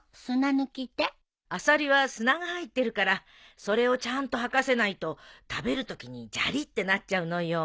アサリは砂が入ってるからそれをちゃんと吐かせないと食べるときにジャリってなっちゃうのよ。